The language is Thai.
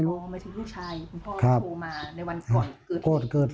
ต่อมาที่ลูกชายคุณพ่อโทรมาในวันเกิดไป